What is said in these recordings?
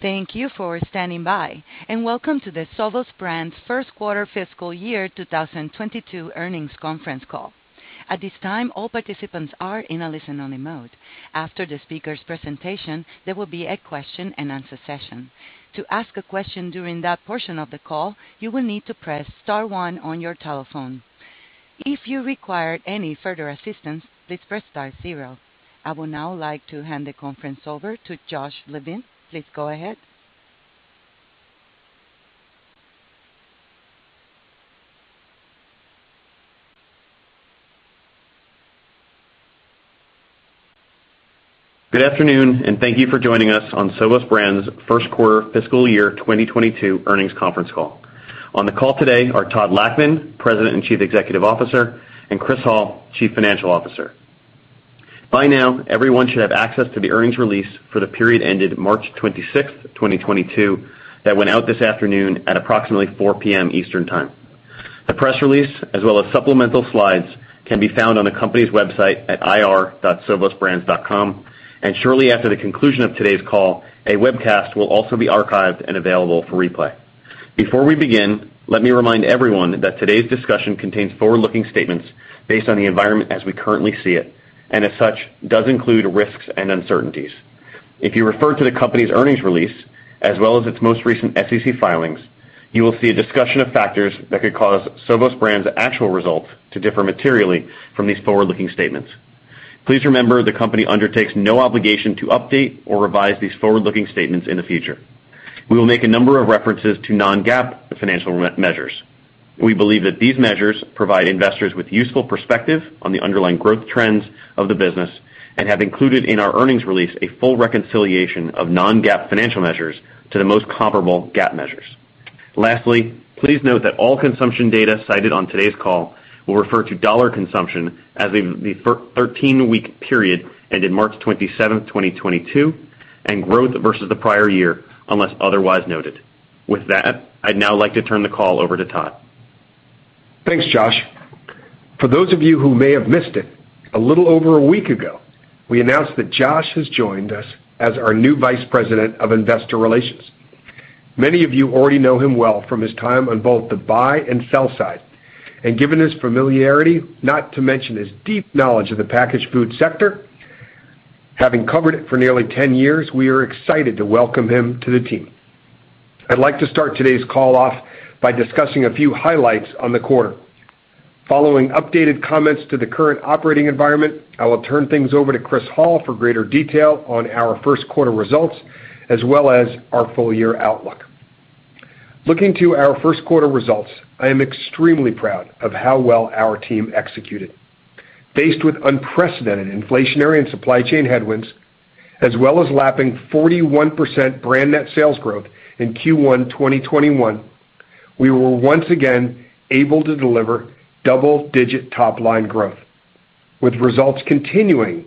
Thank you for standing by, and welcome to the Sovos Brands first quarter fiscal year 2022 earnings conference call. At this time, all participants are in a listen-only mode. After the speaker's presentation, there will be a question-and-answer session. To ask a question during that portion of the call, you will need to press star one on your telephone. If you require any further assistance, please press star zero. I would now like to hand the conference over to Josh Levine. Please go ahead. Good afternoon, and thank you for joining us on Sovos Brands first quarter fiscal year 2022 earnings conference call. On the call today are Todd Lachman, President and Chief Executive Officer; and Chris Hall, Chief Financial Officer. By now, everyone should have access to the earnings release for the period ended March 26th, 2022 that went out this afternoon at approximately 4:00 P.M. Eastern Time. The press release, as well as supplemental slides can be found on the company's website at ir.sovosbrands.com, and shortly after the conclusion of today's call, a webcast will also be archived and available for replay. Before we begin, let me remind everyone that today's discussion contains forward-looking statements based on the environment as we currently see it, and as such, does include risks and uncertainties. If you refer to the company's earnings release, as well as its most recent SEC filings, you will see a discussion of factors that could cause Sovos Brands' actual results to differ materially from these forward-looking statements. Please remember, the company undertakes no obligation to update or revise these forward-looking statements in the future. We will make a number of references to non-GAAP financial measures. We believe that these measures provide investors with useful perspective on the underlying growth trends of the business and have included in our earnings release a full reconciliation of non-GAAP financial measures to the most comparable GAAP measures. Lastly, please note that all consumption data cited on today's call will refer to dollar consumption as of the 13-week period ended March 27, 2022, and growth versus the prior year, unless otherwise noted. With that, I'd now like to turn the call over to Todd. Thanks, Josh. For those of you who may have missed it, a little over a week ago, we announced that Josh has joined us as our new Vice President of Investor Relations. Many of you already know him well from his time on both the buy and sell side. Given his familiarity, not to mention his deep knowledge of the packaged food sector, having covered it for nearly 10 years, we are excited to welcome him to the team. I'd like to start today's call off by discussing a few highlights on the quarter. Following updated comments to the current operating environment, I will turn things over to Chris Hall for greater detail on our first quarter results, as well as our full-year outlook. Looking to our first quarter results, I am extremely proud of how well our team executed. Faced with unprecedented inflationary and supply chain headwinds, as well as lapping 41% brand net sales growth in Q1 2021, we were once again able to deliver double-digit top-line growth, with results continuing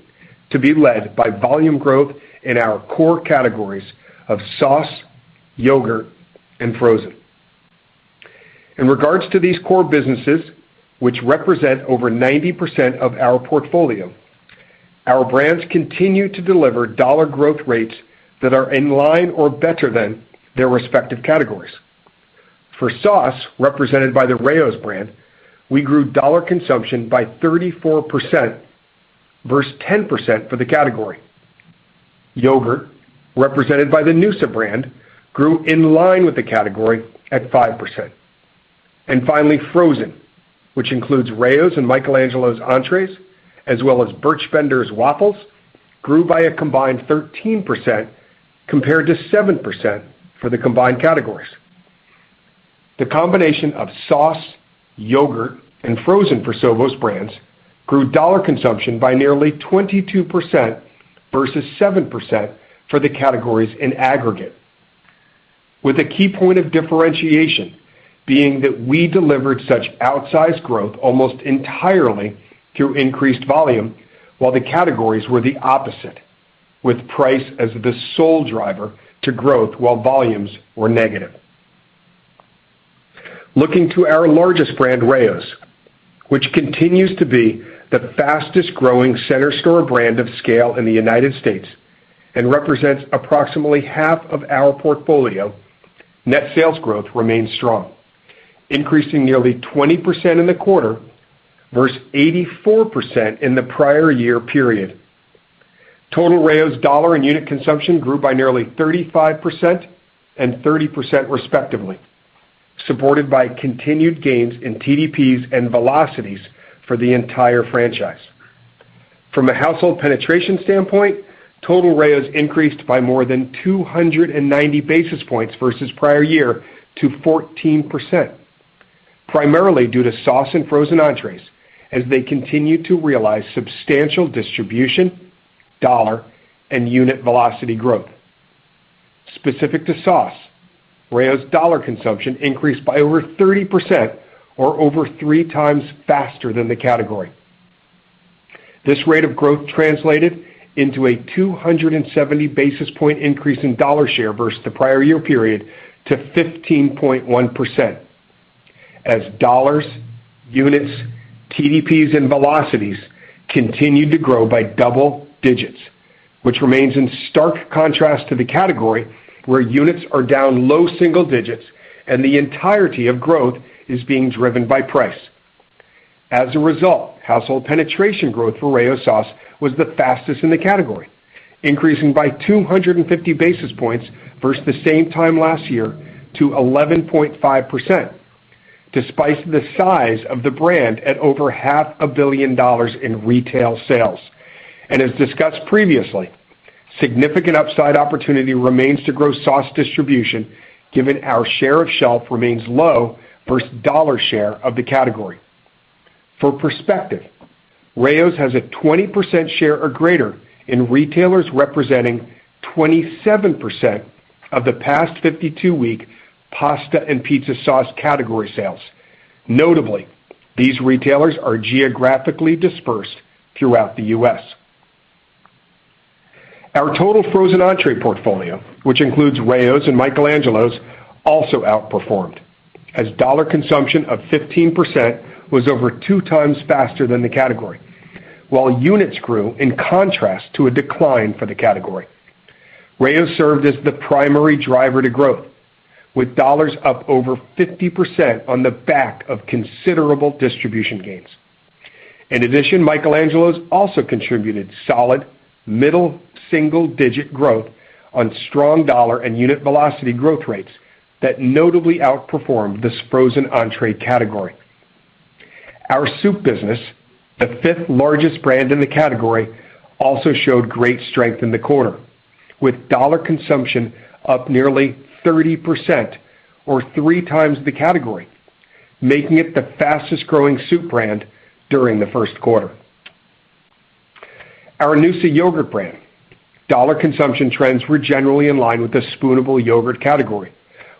to be led by volume growth in our core categories of sauce, yogurt, and frozen. In regard to these core businesses, which represent over 90% of our portfolio, our brands continue to deliver dollar growth rates that are in line or better than their respective categories. For sauce, represented by the Rao's brand, we grew dollar consumption by 34% versus 10% for the category. Yogurt, represented by the noosa brand, grew in line with the category at 5%. Finally, frozen, which includes Rao's and Michael Angelo's entrées, as well as Birch Benders waffles, grew by a combined 13% compared to 7% for the combined categories. The combination of sauce, yogurt, and frozen for Sovos Brands grew dollar consumption by nearly 22% versus 7% for the categories in aggregate. With a key point of differentiation being that we delivered such outsized growth almost entirely through increased volume while the categories were the opposite, with price as the sole driver to growth while volumes were negative. Looking to our largest brand, Rao's, which continues to be the fastest growing center store brand of scale in the United States and represents approximately half of our portfolio, net sales growth remains strong, increasing nearly 20% in the quarter versus 84% in the prior-year period. Total Rao's dollar and unit consumption grew by nearly 35% and 30% respectively, supported by continued gains in TDPs and velocities for the entire franchise. From a household penetration standpoint, total Rao's increased by more than 290 basis points versus prior year to 14%, primarily due to sauce and frozen entrees as they continue to realize substantial distribution, dollar, and unit velocity growth. Specific to sauce, Rao's dollar consumption increased by over 30% or over 3x faster than the category. This rate of growth translated into a 270 basis point increase in dollar share versus the prior-year period to 15.1%. As dollars, units, TDPs, and velocities continued to grow by double digits, which remains in stark contrast to the category where units are down low single digits and the entirety of growth is being driven by price. As a result, household penetration growth for Rao's sauce was the fastest in the category, increasing by 250 basis points versus the same time last year to 11.5%, despite the size of the brand at over $0.5 billion in retail sales. As discussed previously, significant upside opportunity remains to grow sauce distribution given our share of shelf remains low versus dollar share of the category. For perspective, Rao's has a 20% share or greater in retailers representing 27% of the past 52-week pasta and pizza sauce category sales. Notably, these retailers are geographically dispersed throughout the U.S. Our total frozen entree portfolio, which includes Rao's and Michael Angelo's, also outperformed as dollar consumption of 15% was over 2 times faster than the category, while units grew in contrast to a decline for the category. Rao's served as the primary driver to growth, with dollars up over 50% on the back of considerable distribution gains. In addition, Michael Angelo's also contributed solid mid-single-digit growth on strong dollar and unit velocity growth rates that notably outperformed this frozen entree category. Our soup business, the fifth-largest brand in the category, also showed great strength in the quarter, with dollar consumption up nearly 30% or 3x the category, making it the fastest-growing soup brand during the first quarter. Our noosa yogurt brand dollar consumption trends were generally in line with the spoonable yogurt category,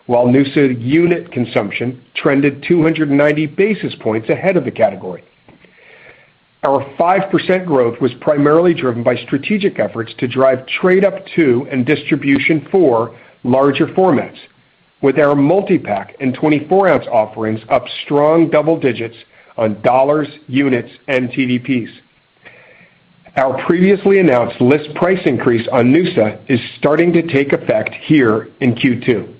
while noosa unit consumption trended 290 basis points ahead of the category. Our 5% growth was primarily driven by strategic efforts to drive trade up to and distribution for larger formats, with our multi-pack and 24-oz offerings up strong double digits on dollars, units, and TDPs. Our previously announced list price increase on noosa is starting to take effect here in Q2.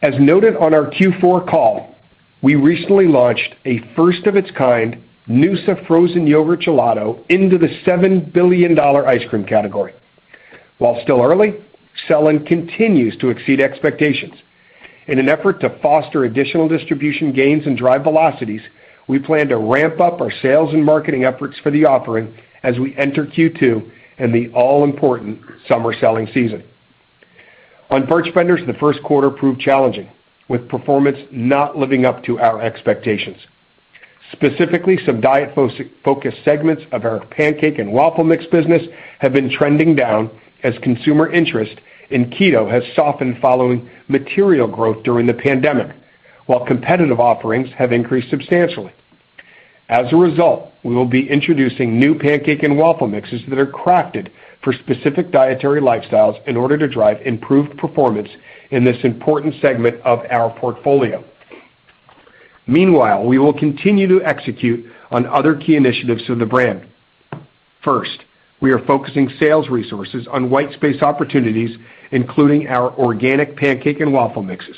As noted on our Q4 call, we recently launched a first-of-its-kind noosa frozen yogurt gelato into the $7 billion ice cream category. While still early, selling continues to exceed expectations. In an effort to foster additional distribution gains and drive velocities, we plan to ramp up our sales and marketing efforts for the offering as we enter Q2 and the all-important summer selling season. On Birch Benders, the first quarter proved challenging, with performance not living up to our expectations. Specifically, some diet-focused segments of our pancake and waffle mix business have been trending down as consumer interest in keto has softened following material growth during the pandemic, while competitive offerings have increased substantially. As a result, we will be introducing new pancake and waffle mixes that are crafted for specific dietary lifestyles in order to drive improved performance in this important segment of our portfolio. Meanwhile, we will continue to execute on other key initiatives of the brand. First, we are focusing sales resources on white space opportunities, including our organic pancake and waffle mixes,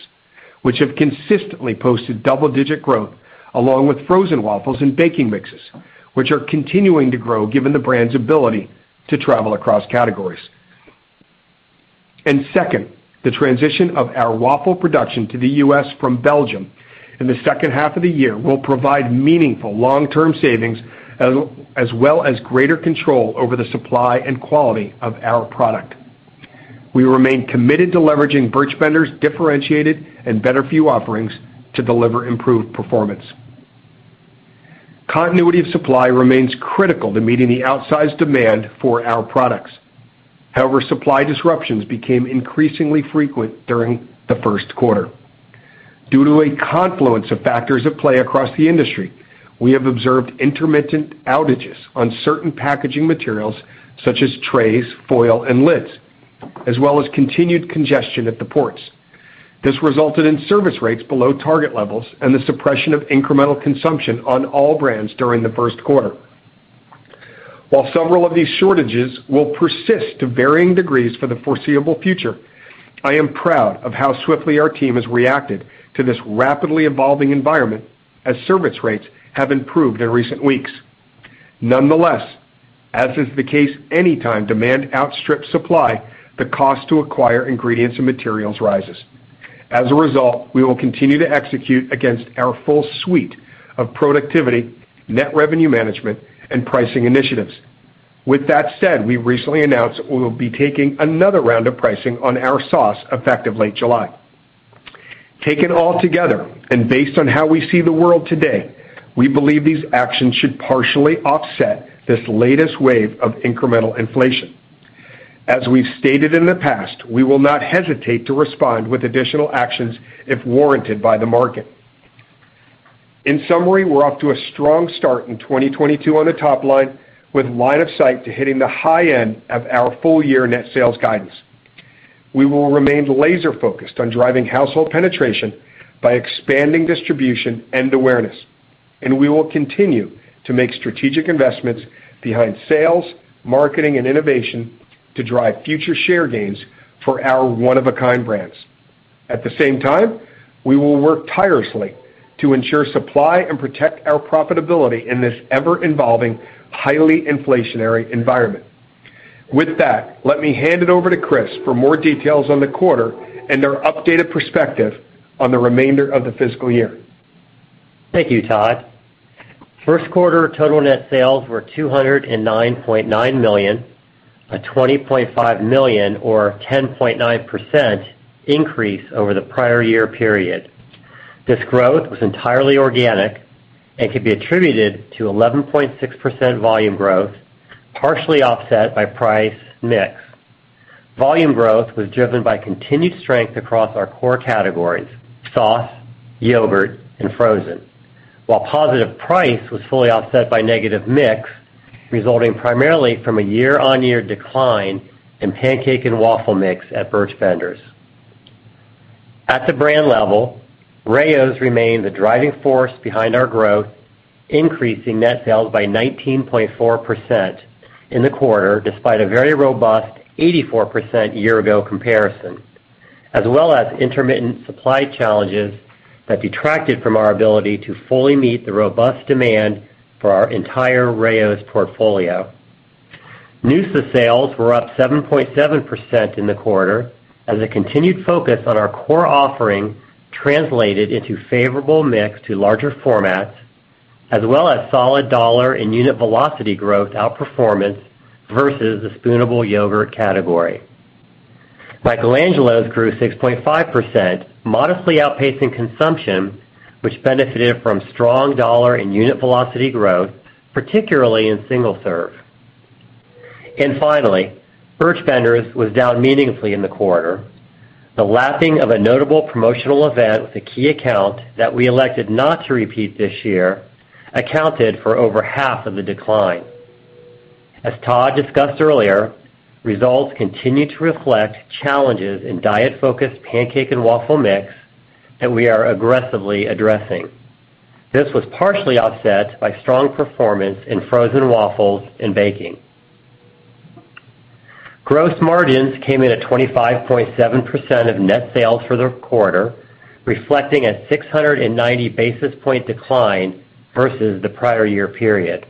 which have consistently posted double-digit growth along with frozen waffles and baking mixes, which are continuing to grow given the brand's ability to travel across categories. Second, the transition of our waffle production to the U.S. from Belgium in the second half of the year will provide meaningful long-term savings as well as greater control over the supply and quality of our product. We remain committed to leveraging Birch Benders' differentiated and better-for-you offerings to deliver improved performance. Continuity of supply remains critical to meeting the outsized demand for our products. However, supply disruptions became increasingly frequent during the first quarter. Due to a confluence of factors at play across the industry, we have observed intermittent outages on certain packaging materials such as trays, foil, and lids, as well as continued congestion at the ports. This resulted in service rates below target levels and the suppression of incremental consumption on all brands during the first quarter. While several of these shortages will persist to varying degrees for the foreseeable future, I am proud of how swiftly our team has reacted to this rapidly evolving environment as service rates have improved in recent weeks. Nonetheless, as is the case anytime demand outstrips supply, the cost to acquire ingredients and materials rises. As a result, we will continue to execute against our full suite of productivity, net revenue management, and pricing initiatives. With that said, we recently announced we will be taking another round of pricing on our sauce effective late July. Taken all together, and based on how we see the world today, we believe these actions should partially offset this latest wave of incremental inflation. As we've stated in the past, we will not hesitate to respond with additional actions if warranted by the market. In summary, we're off to a strong start in 2022 on the top line, with line of sight to hitting the high end of our full year net sales guidance. We will remain laser-focused on driving household penetration by expanding distribution and awareness, and we will continue to make strategic investments behind sales, marketing, and innovation to drive future share gains for our one-of-a-kind brands. At the same time, we will work tirelessly to ensure supply and protect our profitability in this ever-evolving highly inflationary environment. With that, let me hand it over to Chris for more details on the quarter and their updated perspective on the remainder of the fiscal year. Thank you, Todd. First quarter total net sales were $209.9 million, a $20.5 million or 10.9% increase over the prior-year period. This growth was entirely organic and could be attributed to 11.6% volume growth, partially offset by price mix. Volume growth was driven by continued strength across our core categories, sauce, yogurt and frozen. While positive price was fully offset by negative mix, resulting primarily from a year-on-year decline in pancake and waffle mix at Birch Benders. At the brand level, Rao's remained the driving force behind our growth, increasing net sales by 19.4% in the quarter, despite a very robust 84% year-ago comparison, as well as intermittent supply challenges that detracted from our ability to fully meet the robust demand for our entire Rao's portfolio. Noosa sales were up 7.7% in the quarter as a continued focus on our core offering translated into favorable mix to larger formats, as well as solid dollar and unit velocity growth outperformance versus the spoonable yogurt category. Michael Angelo's grew 6.5%, modestly outpacing consumption, which benefited from strong dollar and unit velocity growth, particularly in single serve. Finally, Birch Benders was down meaningfully in the quarter. The lapping of a notable promotional event with a key account that we elected not to repeat this year accounted for over half of the decline. As Todd discussed earlier, results continue to reflect challenges in diet focused pancake and waffle mix that we are aggressively addressing. This was partially offset by strong performance in frozen waffles and baking. Gross margins came in at 25.7% of net sales for the quarter, reflecting a 690 basis point decline versus the prior-year period.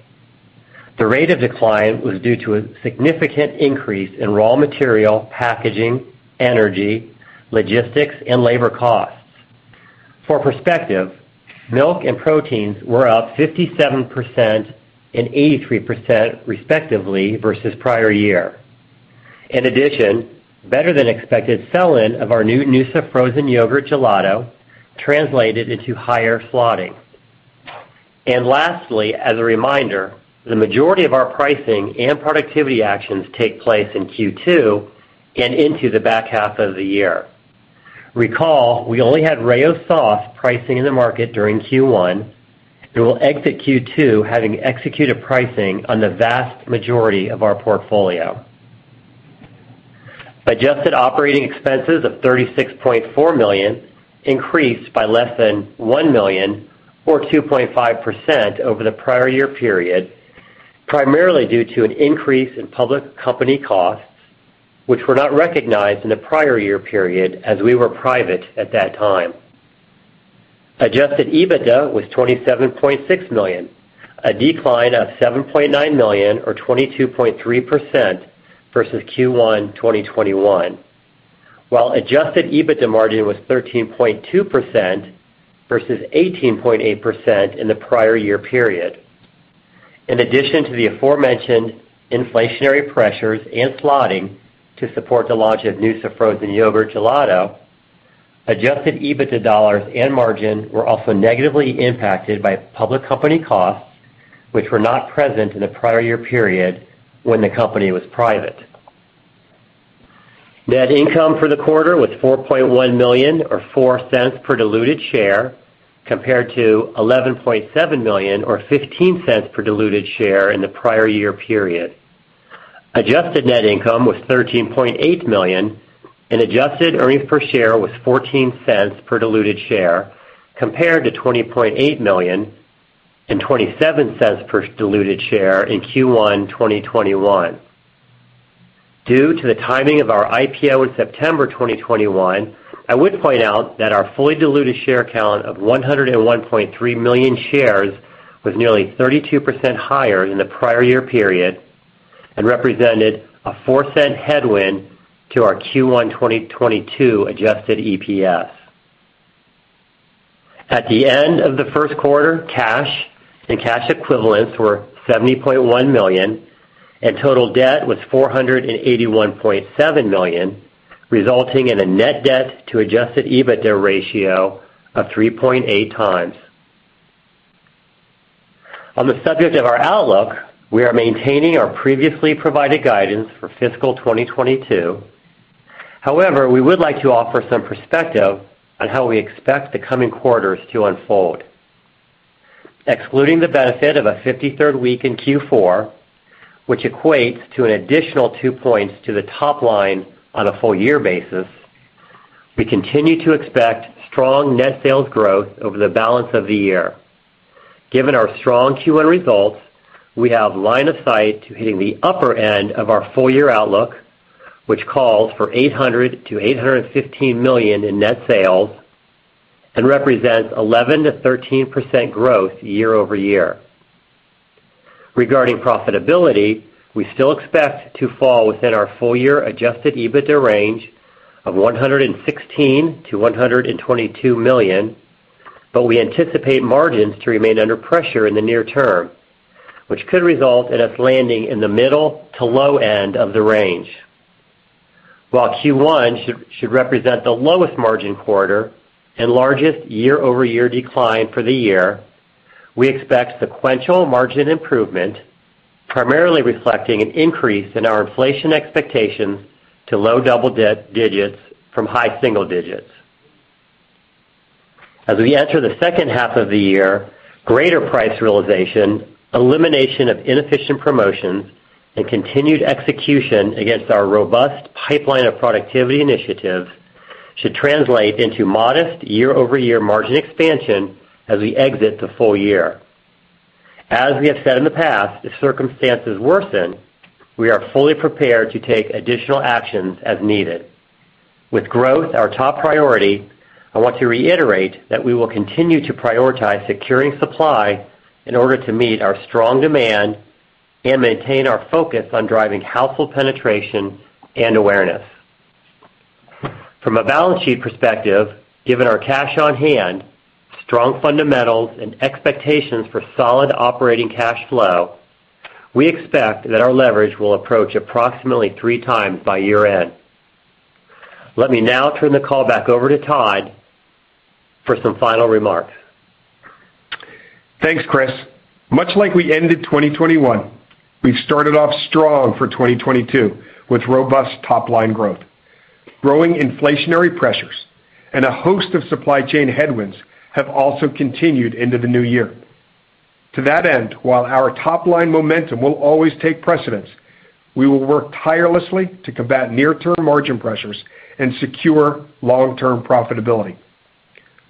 The rate of decline was due to a significant increase in raw material, packaging, energy, logistics, and labor costs. For perspective, milk and proteins were up 57% and 83% respectively versus prior year. In addition, better than expected sell-in of our new noosa frozen yogurt gelato translated into higher slotting. Lastly, as a reminder, the majority of our pricing and productivity actions take place in Q2 and into the back half of the year. Recall, we only had Rao's sauce pricing in the market during Q1, and we'll exit Q2 having executed pricing on the vast majority of our portfolio. Adjusted OpEx of $36.4 million increased by less than $1 million or 2.5% over the prior-year period, primarily due to an increase in public company costs, which were not recognized in the prior-year period as we were private at that time. Adjusted EBITDA was $27.6 million, a decline of $7.9 million or 22.3% versus Q1 2021. While adjusted EBITDA margin was 13.2% versus 18.8% in the prior-year period. In addition to the aforementioned inflationary pressures and slotting to support the launch of noosa frozen yogurt gelato, adjusted EBITDA dollars and margin were also negatively impacted by public company costs, which were not present in the prior-year period when the company was private. Net income for the quarter was $4.1 million or $0.04 per diluted share, compared to $11.7 million or $0.15 per diluted share in the prior-year period. Adjusted net income was $13.8 million and adjusted earnings per share was $0.14 per diluted share, compared to $20.8 million and $0.27 per diluted share in Q1 2021. Due to the timing of our IPO in September 2021, I would point out that our fully diluted share count of 101.3 million shares was nearly 32% higher in the prior-year period and represented a $0.04 headwind to our Q1 2022 adjusted EPS. At the end of the first quarter, cash and cash equivalents were $70.1 million, and total debt was $481.7 million, resulting in a net debt-to-adjusted EBITDA ratio of 3.8x. On the subject of our outlook, we are maintaining our previously provided guidance for fiscal 2022. However, we would like to offer some perspective on how we expect the coming quarters to unfold. Excluding the benefit of a 53rd week in Q4, which equates to an additional 2 points to the top line on a full-year basis, we continue to expect strong net sales growth over the balance of the year. Given our strong Q1 results, we have line of sight to hitting the upper end of our full-year outlook, which calls for $800 million-$815 million in net sales and represents 11%-13% growth year-over-year. Regarding profitability, we still expect to fall within our full-year adjusted EBITDA range of $116 million-$122 million, but we anticipate margins to remain under pressure in the near term, which could result in us landing in the middle to low end of the range. While Q1 should represent the lowest margin quarter and largest year-over-year decline for the year, we expect sequential margin improvement, primarily reflecting an increase in our inflation expectations to low double digits from high single digits. As we enter the second half of the year, greater price realization, elimination of inefficient promotions, and continued execution against our robust pipeline of productivity initiatives should translate into modest year-over-year margin expansion as we exit the full year. As we have said in the past, if circumstances worsen, we are fully prepared to take additional actions as needed. With growth our top priority, I want to reiterate that we will continue to prioritize securing supply in order to meet our strong demand and maintain our focus on driving household penetration and awareness. From a balance sheet perspective, given our cash on hand, strong fundamentals, and expectations for solid operating cash flow, we expect that our leverage will approach approximately 3x by year-end. Let me now turn the call back over to Todd for some final remarks. Thanks, Chris. Much like we ended 2021, we've started off strong for 2022 with robust top-line growth. Growing inflationary pressures and a host of supply chain headwinds have also continued into the new year. To that end, while our top-line momentum will always take precedence, we will work tirelessly to combat near-term margin pressures and secure long-term profitability.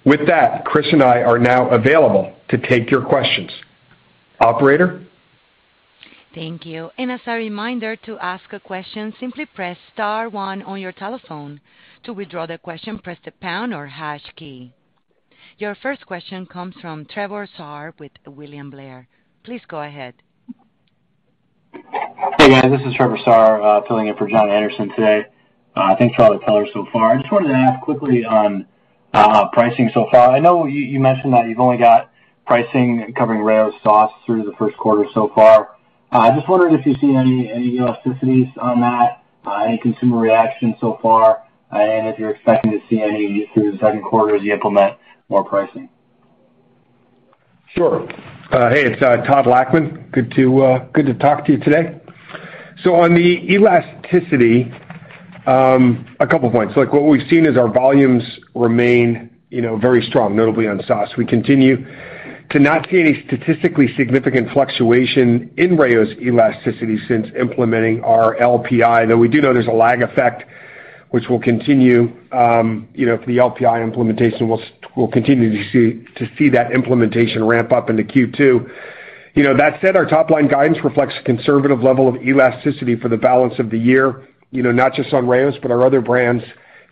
With that, Chris and I are now available to take your questions. Operator? Thank you. As a reminder, to ask a question, simply press star one on your telephone. To withdraw the question, press the pound or hash key. Your first question comes from Trevor Sahr with William Blair. Please go ahead. Hey, guys, this is Trevor Sahr filling in for Jon Andersen today. Thanks for all the color so far. I just wanted to ask quickly on pricing so far. I know you mentioned that you've only got pricing covering Rao's sauce through the first quarter so far. I just wondered if you see any elasticities on that, any consumer reaction so far, and if you're expecting to see any through the second quarter as you implement more pricing. Sure. Hey, it's Todd Lachman. Good to talk to you today. On the elasticity, a couple points. Like, what we've seen is our volumes remain, you know, very strong, notably on sauce. We continue to not see any statistically significant fluctuation in Rao's elasticity since implementing our LPI, though we do know there's a lag effect which will continue, you know, for the LPI implementation. We'll continue to see that implementation ramp up into Q2. You know, that said, our top-line guidance reflects a conservative level of elasticity for the balance of the year, you know, not just on Rao's, but our other brands,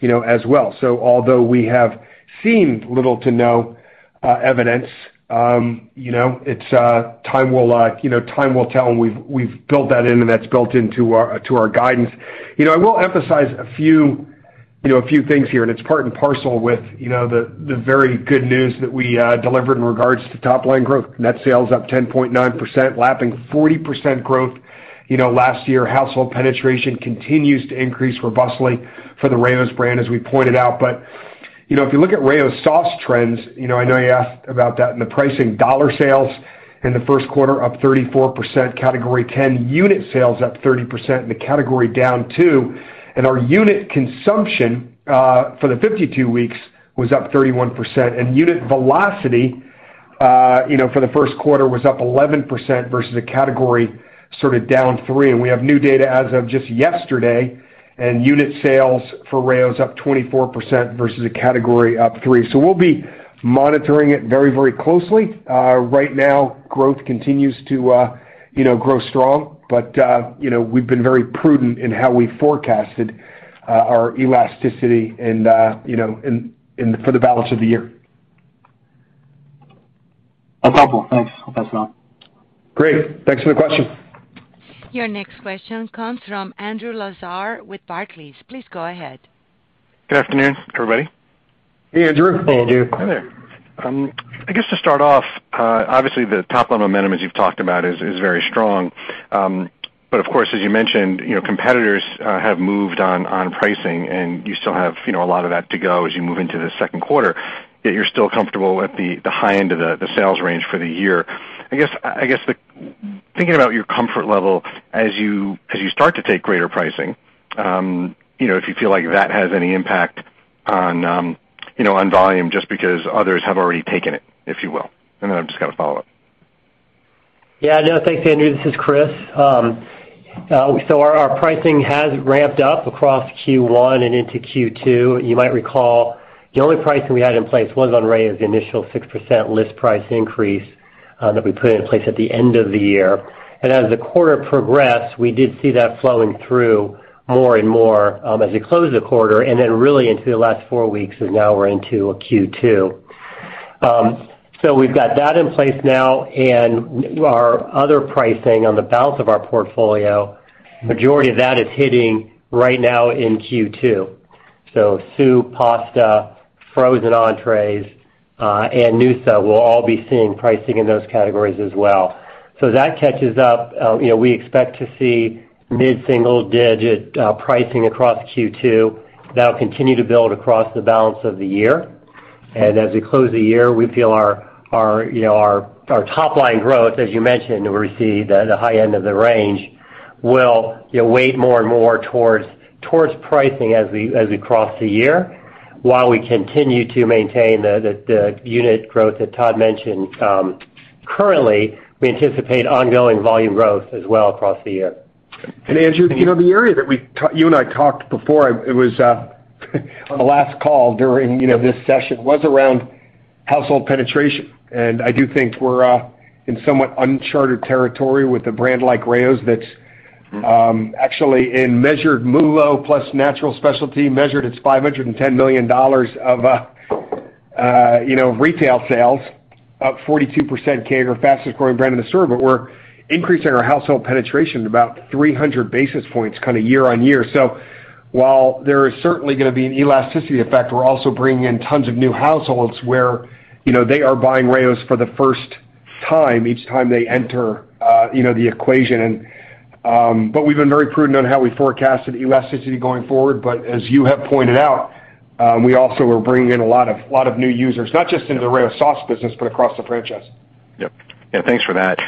you know, as well. Although we have seen little to no evidence, you know, time will tell, and we've built that in, and that's built into our guidance. You know, I will emphasize a few things here, and it's part and parcel with the very good news that we delivered in regards to top-line growth. Net sales up 10.9%, lapping 40% growth last year. Household penetration continues to increase robustly for the Rao's brand, as we pointed out. If you look at Rao's sauce trends, you know, I know you asked about that and the pricing dollar sales in the first quarter up 34%, category 10%; unit sales up 30% and the category down 2%. Our unit consumption for the 52 weeks was up 31%. Unit velocity you know for the first quarter was up 11% versus a category sort of down 3%. We have new data as of just yesterday, and unit sales for Rao's up 24% versus a category up 3%. We'll be monitoring it very, very closely. Right now, growth continues to you know grow strong, but you know we've been very prudent in how we forecasted our elasticity and you know in for the balance of the year. No problem. Thanks. I'll pass it on. Great. Thanks for the question. Your next question comes from Andrew Lazar with Barclays. Please go ahead. Good afternoon, everybody. Hey, Andrew. Hey, Andrew. Hi there. I guess to start off, obviously the top-line momentum as you've talked about is very strong. Of course, as you mentioned, you know, competitors have moved on pricing and you still have, you know, a lot of that to go as you move into the second quarter, yet you're still comfortable at the high end of the sales range for the year. I guess thinking about your comfort level as you start to take greater pricing, you know, if you feel like that has any impact on, you know, on volume just because others have already taken it, if you will, and then I've just got a follow-up. Yeah. No, thanks, Andrew. This is Chris. Our pricing has ramped up across Q1 and into Q2. You might recall the only pricing we had in place was on Rao's initial 6% list price increase that we put in place at the end of the year. As the quarter progressed, we did see that flowing through more and more as we closed the quarter and then really into the last four weeks, and now we're into Q2. We've got that in place now and our other pricing on the balance of our portfolio, majority of that is hitting right now in Q2. Soup, pasta, frozen entrées, and noosa will all be seeing pricing in those categories as well. That catches up. You know, we expect to see mid-single-digit pricing across Q2 that'll continue to build across the balance of the year. As we close the year, we feel, you know, our top-line growth, as you mentioned, we see the high end of the range will, you know, weigh more and more towards pricing as we close the year while we continue to maintain the unit growth that Todd mentioned. Currently, we anticipate ongoing volume growth as well across the year. Andrew, you know, the area that you and I talked before, it was on the last call during, you know, this session, was around household penetration. I do think we're in somewhat uncharted territory with a brand like Rao's that's actually in measured MULO plus natural specialty measured. It's $510 million of, you know, retail sales, up 42% CAGR, fastest growing brand in the store. We're increasing our household penetration about 300 basis points kind of year-on-year. While there is certainly gonna be an elasticity effect, we're also bringing in tons of new households where, you know, they are buying Rao's for the first time each time they enter, you know, the equation. We've been very prudent on how we forecasted elasticity going forward. As you have pointed out, we also are bringing in a lot of new users, not just in the Rao's sauce business but across the franchise. Yep. Yeah, thanks for that.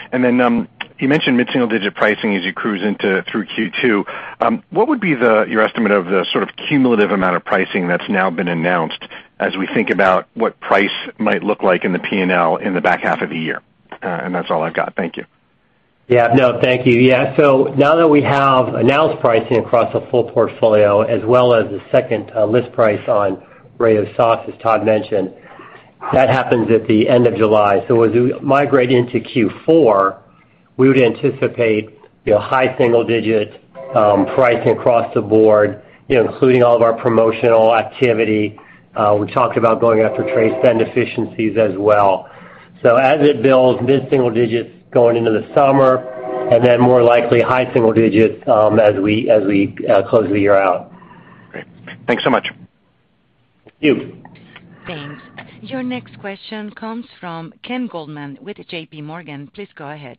You mentioned mid-single-digit pricing as you cruise into through Q2. What would be your estimate of the sort of cumulative amount of pricing that's now been announced as we think about what price might look like in the P&L in the back half of the year? That's all I've got. Thank you. Yeah. No, thank you. Yeah. Now that we have announced pricing across the full portfolio as well as the second list price on Rao's sauce, as Todd mentioned, that happens at the end of July. As we migrate into Q4, we would anticipate, you know, high single-digit pricing across the board, you know, including all of our promotional activity. We talked about going after trade spend efficiencies as well. As it builds, mid-single digits going into the summer, and then more likely high single digits as we close the year out. Great. Thanks so much. Thank you. Thanks. Your next question comes from Ken Goldman with JPMorgan. Please go ahead.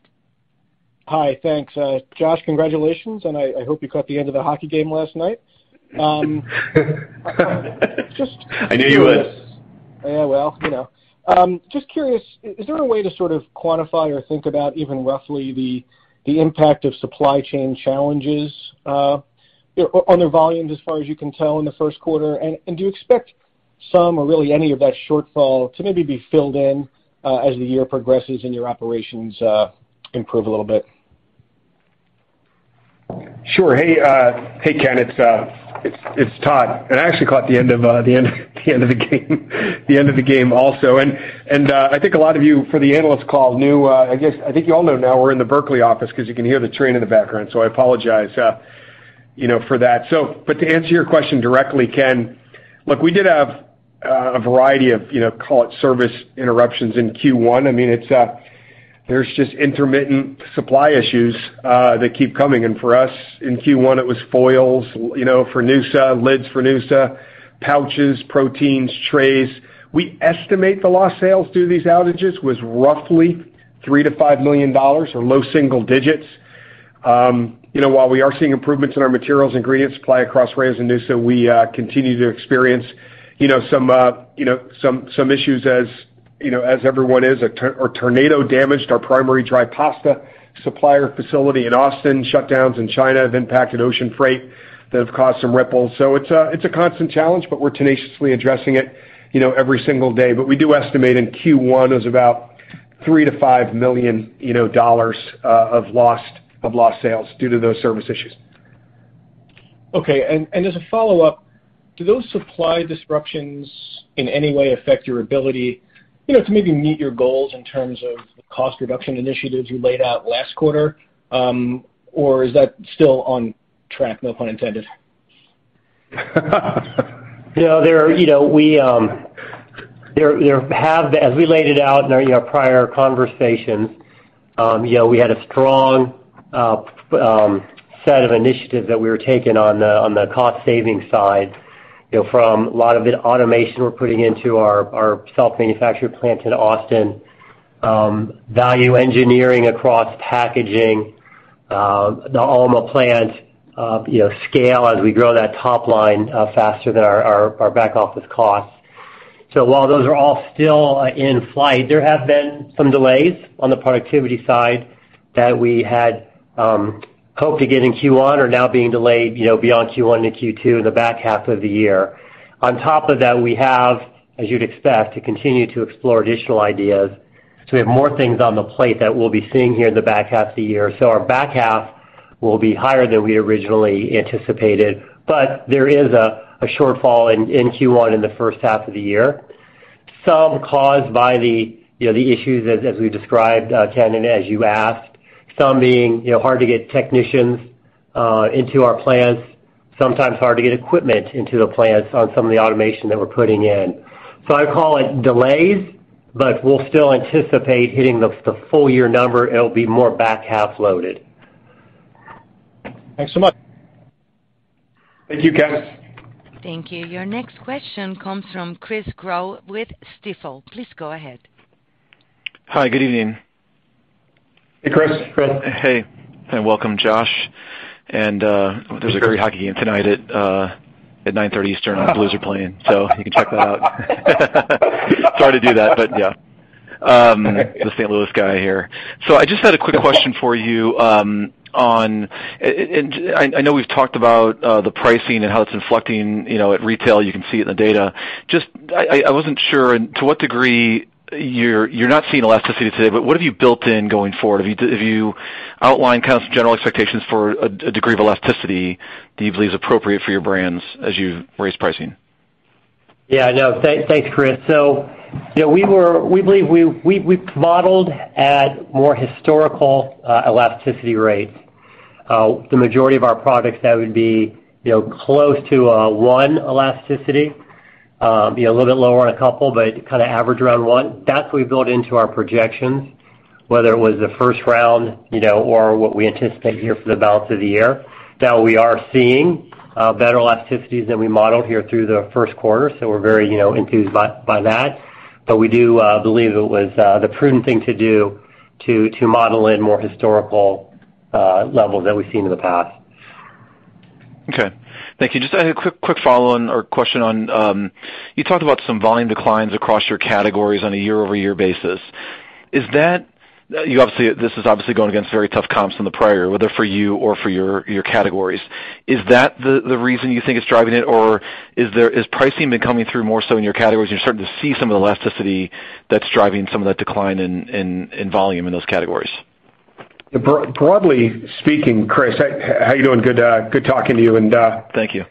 Hi. Thanks. Josh, congratulations, and I hope you caught the end of the hockey game last night. I knew you would. Yeah, well, you know. Just curious, is there a way to sort of quantify or think about even roughly the impact of supply chain challenges on the volumes as far as you can tell in the first quarter? Do you expect some or really any of that shortfall to maybe be filled in as the year progresses and your operations improve a little bit? Sure. Hey, Ken, it's Todd, and I actually caught the end of the game also. I think a lot of you on the analyst call knew, I guess, I think you all know now we're in the Barclays office 'cause you can hear the train in the background, so I apologize, you know, for that. But to answer your question directly, Ken—look, we did have a variety of, you know, call it service interruptions in Q1. I mean, it's, there's just intermittent supply issues that keep coming. For us, in Q1, it was foils, you know, for noosa, lids for noosa, pouches, proteins, trays. We estimate the lost sales through these outages was roughly $3 million-$5 million or low single digits. You know, while we are seeing improvements in our materials and ingredients supply across Rao's and noosa, we continue to experience, you know, some issues as, you know, as everyone is. A tornado damaged our primary dry pasta supplier facility in Austin. Shutdowns in China have impacted ocean freight that have caused some ripples. It's a constant challenge, but we're tenaciously addressing it, you know, every single day. We do estimate in Q1 is about $3 million-$5 million, you know, of lost sales due to those service issues. Okay. As a follow-up, do those su know, to maybe meet your goals in terms of the cost reductionpply disruptions in any way affect your ability, you know, to maybe meet your goals in terms of the cost reduction initiatives you laid out last quarter, or is that still on track? No pun intended. You know, as we laid it out in our prior conversations, you know, we had a strong set of initiatives that we were taking on the cost saving side, you know, from a lot of the automation we're putting into our self-manufactured plant in Austin, value engineering across packaging, the Alma plant, you know, scale as we grow that top line faster than our back office costs. While those are all still in flight, there have been some delays on the productivity side that we had hoped to get in Q1 are now being delayed, you know, beyond Q1-Q2 in the back half of the year. On top of that, we have, as you'd expect, to continue to explore additional ideas. We have more things on the plate that we'll be seeing here in the back half of the year. Our back half will be higher than we originally anticipated. There is a shortfall in Q1 in the first half of the year, some caused by the, you know, the issues as we described, Ken, and as you asked, some being, you know, hard to get technicians into our plants, sometimes hard to get equipment into the plants on some of the automation that we're putting in. I'd call it delays, but we'll still anticipate hitting the full-year number. It'll be more back half-loaded. Thanks so much. Thank you, Ken. Thank you. Your next question comes from Chris Growe with Stifel. Please go ahead. Hi. Good evening. Hey, Chris. Hey, and welcome, Josh. There's a great hockey game tonight at 9:30 P.M. Eastern. The Blues are playing, so you can check that out. Sorry to do that, but yeah. The St. Louis guy here. I just had a quick question for you on. I know we've talked about the pricing and how it's inflecting, you know, at retail. You can see it in the data. Just, I wasn't sure and to what degree you're not seeing elasticity today, but what have you built in going forward? Have you outlined kind of some general expectations for a degree of elasticity that you believe is appropriate for your brands as you raise pricing? Yeah. No. Thanks, Chris. You know, we believe we've modeled at more historical elasticity rates. The majority of our products that would be, you know, close to one elasticity, be a little bit lower on a couple, but kind of average around one. That's what we built into our projections, whether it was the first round, you know, or what we anticipate here for the balance of the year. Now we are seeing better elasticities than we modeled here through the first quarter, so we're very, you know, enthused by that. We do believe it was the prudent thing to do to model in more historical levels that we've seen in the past. Okay. Thank you. Just a quick follow-on or question on, you talked about some volume declines across your categories on a year-over-year basis. This is obviously going against very tough comps from the prior, whether for you or for your categories. Is that the reason you think it's driving it, or is pricing been coming through more so in your categories, and you're starting to see some of the elasticity that's driving some of that decline in volume in those categories? Broadly speaking, Chris, how you doing? Good, good talking to you. Thank you.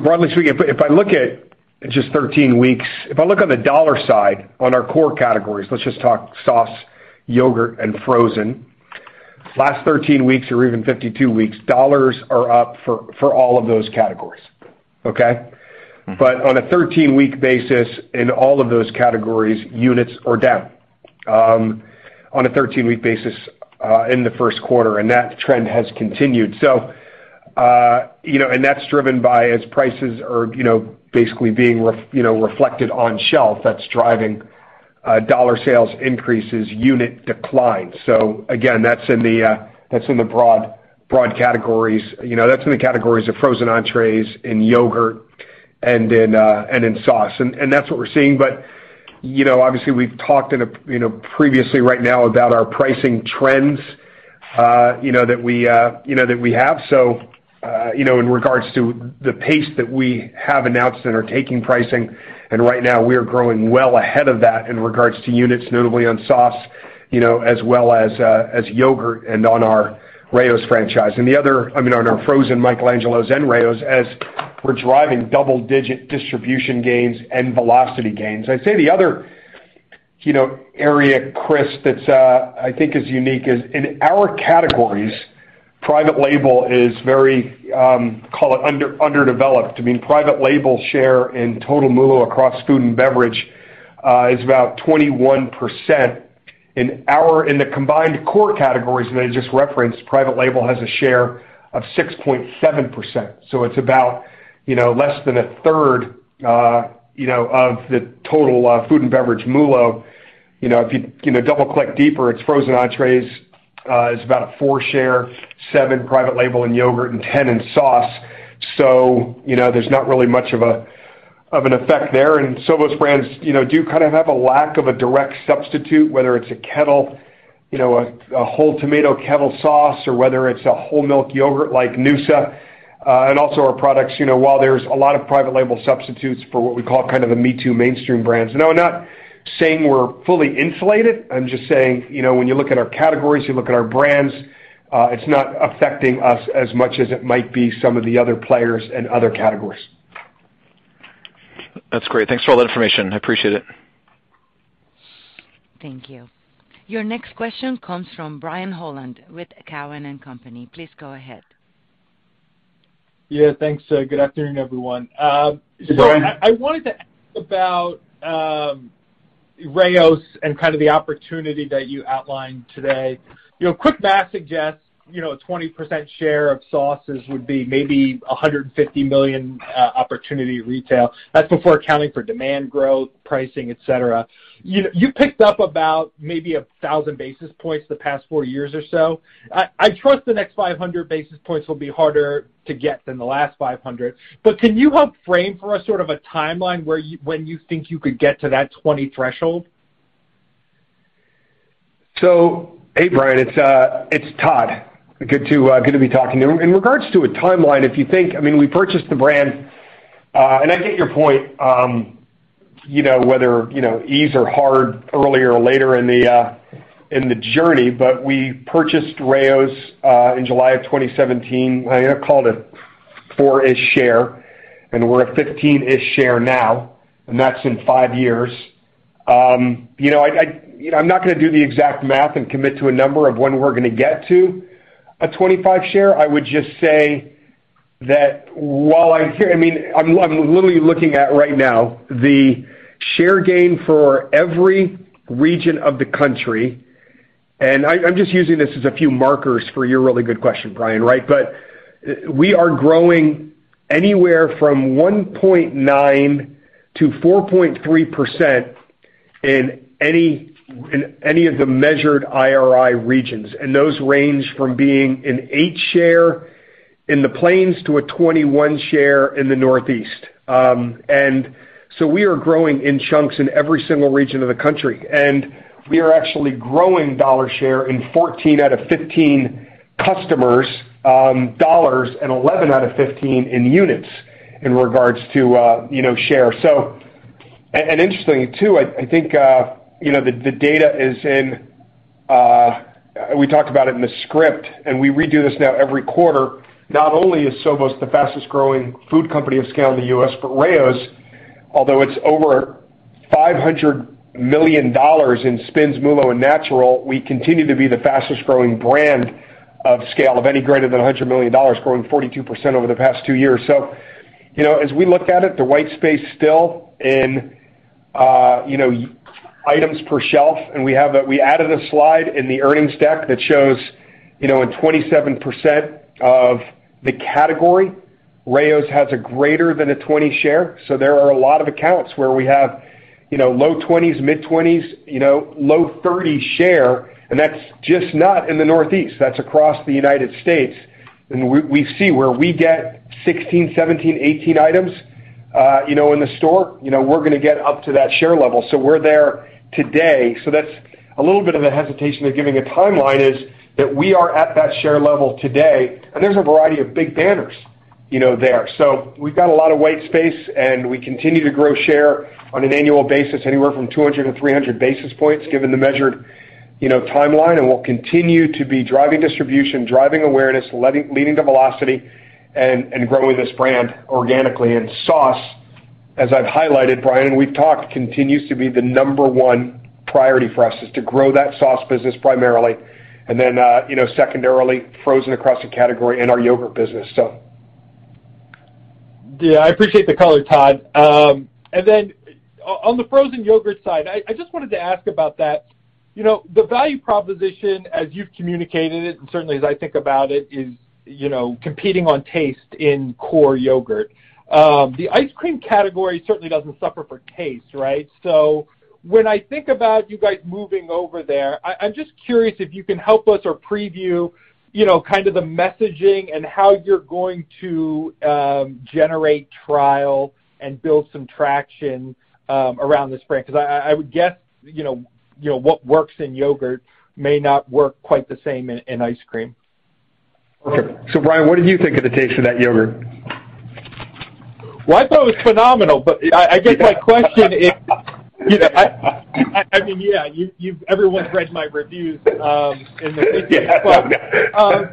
Broadly speaking, if I look at just 13 weeks, if I look on the dollar side on our core categories, let's just talk sauce, yogurt, and frozen. Last 13 weeks or even 52 weeks, dollars are up for all of those categories. Okay? On a 13-week basis in all of those categories, units are down in the first quarter, and that trend has continued. That's driven by, as prices are basically being reflected on shelf, that's driving dollar sales increases, unit declines. Again, that's in the broad categories. That's in the categories of frozen entrées, in yogurt, and in sauce. That's what we're seeing. Obviously, we've talked previously right now about our pricing trends that we have. You know, in regards to the pace that we have announced and are taking pricing, and right now we are growing well ahead of that in regards to units, notably on sauce, you know, as well as as yogurt and on our Rao's franchise. I mean, on our frozen Michael Angelo's and Rao's, as we're driving double-digit distribution gains and velocity gains. I'd say the other, you know, area, Chris, that's I think is unique is in our categories, private label is very, call it underdeveloped. I mean, private label share in total MULO across food and beverage is about 21%. In the combined core categories that I just referenced, private label has a share of 6.7%, so it's about, you know, less than a third, you know, of the total, food and beverage MULO. You know, if you know, double-click deeper, it's frozen entrees is about a 4% share, 7% private label in yogurt, and 10% in sauce. So, you know, there's not really much of an effect there. Those brands, you know, do kind of have a lack of a direct substitute, whether it's a Kettle, you know, a whole tomato Kettle sauce or whether it's a whole milk yogurt like noosa. And also our products, you know, while there's a lot of private label substitutes for what we call kind of the me-too mainstream brands. Now, I'm not saying we're fully insulated. I'm just saying, you know, when you look at our categories, you look at our brands, it's not affecting us as much as it might be some of the other players and other categories. That's great. Thanks for all the information. I appreciate it. Thank you. Your next question comes from Brian Holland with Cowen and Company. Please go ahead. Yeah, thanks. Good afternoon, everyone. Hey, Brian. I wanted to ask about Rao's and kind of the opportunity that you outlined today. You know, quick math suggests, you know, a 20% share of sauces would be maybe $150 million opportunity retail. That's before accounting for demand growth, pricing, et cetera. You picked up about maybe 1,000 basis points the past four years or so. I trust the next 500 basis points will be harder to get than the last 500. Can you help frame for us sort of a timeline where, when you think you could get to that 20 threshold? Hey, Brian, it's Todd. Good to be talking to you. In regards to a timeline, if you think I mean, we purchased the brand, and I get your point, you know, whether you know, ease or hard, earlier or later in the journey, but we purchased Rao's in July 2017, I'm gonna call it a 4%-ish share, and we're at 15%-ish share now, and that's in five years. You know, I'm not gonna do the exact math and commit to a number of when we're gonna get to a 25 share. I would just say that while I—I mean, I'm literally looking at right now the share gain for every region of the country, and I'm just using this as a few markers for your really good question, Brian, right? We are growing anywhere from 1.9%-4.3% in any of the measured IRI regions. Those range from being an 8% share in the Plains to a 21% share in the Northeast. We are growing in chunks in every single region of the country. We are actually growing dollar share in 14 out of 15 in customer dollars and 11 out of 15 in units in regards to, you know, share. Interestingly too, I think you know, the data is in, we talked about it in the script, and we redo this now every quarter. Not only is Sovos the fastest-growing food company of scale in the U.S., but Rao's, although it's over $500 million in SPINS, MULO and natural, we continue to be the fastest-growing brand of scale of any greater than $100 million, growing 42% over the past two years. You know, as we look at it, the white space still in, you know, items per shelf, and we added a slide in the earnings deck that shows, you know, in 27% of the category, Rao's has a greater than a 20% share. There are a lot of accounts where we have, you know, low 20s, mid-20s, you know, low 30s share, and that's just not in the Northeast, that's across the United States. We see where we get 16, 17, 18 items, you know, in the store. You know, we're gonna get up to that share level. We're there today. That's a little bit of a hesitation of giving a timeline is that we are at that share level today, and there's a variety of big banners, you know, there. We've got a lot of white space, and we continue to grow share on an annual basis, anywhere from 200 basis points-300 basis points, given the measured, you know, timeline. We'll continue to be driving distribution, driving awareness, leading to velocity and growing this brand organically. Sauce, as I've highlighted, Brian, and we've talked, continues to be the number one priority for us, is to grow that sauce business primarily, and then, you know, secondarily, frozen across the category and our yogurt business. Yeah, I appreciate the color, Todd. And then on the frozen yogurt side, I just wanted to ask about that. You know, the value proposition as you've communicated it, and certainly as I think about it, is, you know, competing on taste in core yogurt. The ice cream category certainly doesn't suffer for taste, right? When I think about you guys moving over there, I'm just curious if you can help us or preview, you know, kind of the messaging and how you're going to generate trial and build some traction around this brand. 'Cause I would guess, you know, what works in yogurt may not work quite the same in ice cream. Okay. Brian, what did you think of the taste of that yogurt? Well, I thought it was phenomenal, but I guess my question is—you know, I mean, yeah, everyone's read my reviews in the business. Yeah.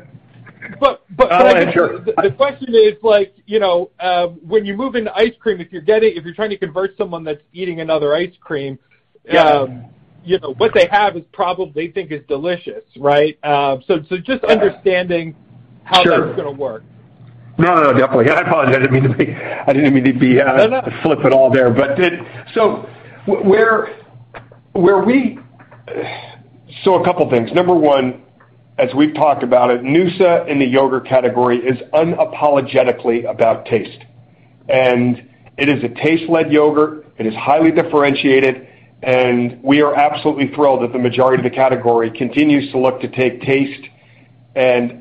But, but— No, I'm not sure. The question is like, you know, when you move into ice cream, if you're trying to convert someone that's eating another ice .cream. Yeah You know, what they have is probably, they think it's delicious, right? So just understanding— Sure. How that's gonna work? No, no, definitely. I apologize. I didn't mean to be— No, no. A couple of things. Number one, as we've talked about it, noosa in the yogurt category is unapologetically about taste. It is a taste-led yogurt. It is highly differentiated, and we are absolutely thrilled that the majority of the category continues to look to take the taste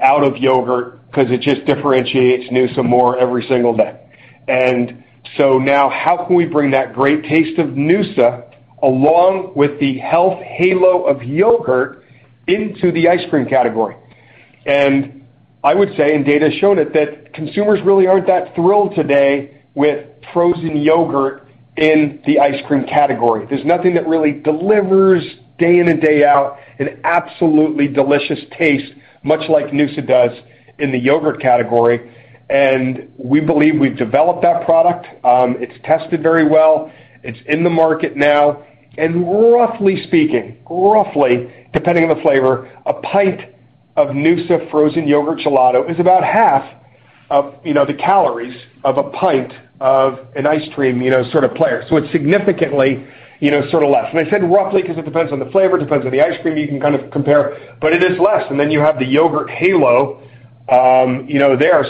out of yogurt 'cause it just differentiates noosa more every single day. Now how can we bring that great taste of noosa along with the health halo of yogurt into the ice cream category? I would say, data has shown it, that consumers really aren't that thrilled today with frozen yogurt in the ice cream category. There's nothing that really delivers day in and day out, an absolutely delicious taste, much like noosa does in the yogurt category. We believe we've developed that product. It's tested very well. It's in the market now. Roughly speaking, depending on the flavor, a pint of noosa frozen yogurt gelato is about half of, you know, the calories of a pint of an ice cream, you know, sort of player. It's significantly, you know, sort of less. I said, roughly, because it depends on the flavor, depends on the ice cream, you can kind of compare, but it is less. Then you have the yogurt halo, you know, there.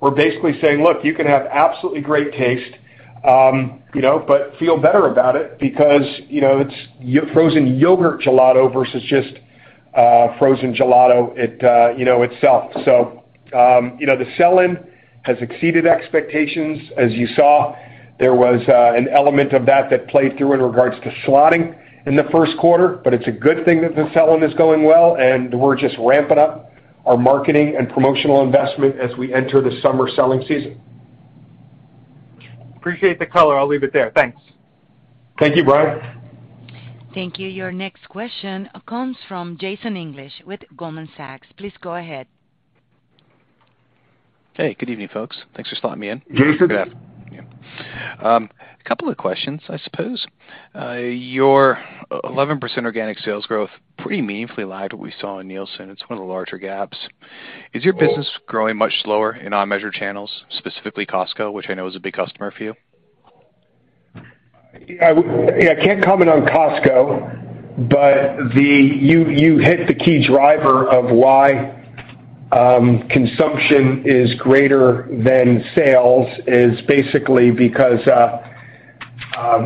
We're basically saying, "Look, you can have absolutely great taste, you know, but feel better about it because, you know, it's frozen yogurt gelato versus just frozen gelato itself." You know, the sell-in has exceeded expectations. As you saw, there was an element of that that played through in regards to slotting in the first quarter, but it's a good thing that the sell-in is going well, and we're just ramping up our marketing and promotional investment as we enter the summer selling season. Appreciate the color. I'll leave it there. Thanks. Thank you, Brian. Thank you. Your next question comes from Jason English with Goldman Sachs. Please go ahead. Hey, good evening, folks. Thanks for slotting me in. Hey, Jason. Good afternoon. Yep. A couple of questions, I suppose. Your 11% organic sales growth pretty meaningfully lagged what we saw in Nielsen. It's one of the larger gaps. Is your business growing much slower in on-measure channels, specifically Costco, which I know is a big customer for you? Yeah, I can't comment on Costco, but you hit the key driver of why consumption is greater than sales is basically because